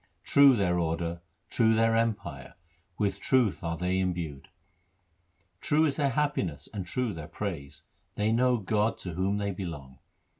True their order ; true their empire ; with truth are they imbued. True is their happiness, and true their praise ; they know God to whom they belong.